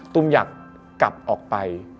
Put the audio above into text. ตุ้มอยากกลับออกไป